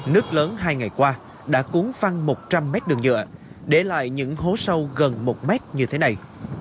nước lớn hai ngày qua đã cúng phăng một trăm linh mét đường dựa để lại những hố sâu gần một mét như thế này